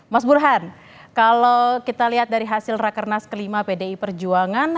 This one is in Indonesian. mas burhan kalau kita lihat dari hasil rakernas kelima pdi perjuangan